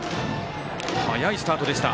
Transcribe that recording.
早いスタートでした。